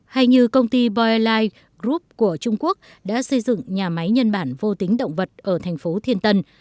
hay như công ty boigroup của trung quốc đã xây dựng nhà máy nhân bản vô tính động vật ở thành phố thiên tân